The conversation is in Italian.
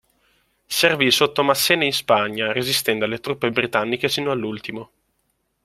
Servì sotto Massena in Spagna, resistendo alle truppe britanniche sino all'ultimo.